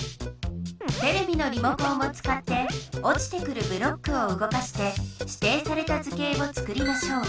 テレビのリモコンをつかっておちてくるブロックをうごかしてしていされた図形をつくりましょう。